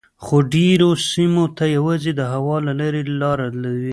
خو ډیری سیمو ته یوازې د هوا له لارې لاره وي